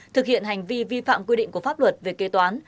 thực hiện hành vi vi phạm quy định của pháp luật về kế toán